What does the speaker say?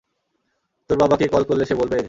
তোর বাবাকে কল করলে সে বলবে?